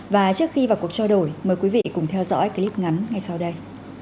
và trước khi vào cuộc trao đổi mời quý vị cùng theo dõi clip ngắn ngay sau đây